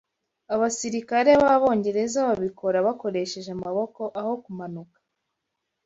Abasirikare b'Abongereza babikora bakoresheje amaboko, aho kumanuka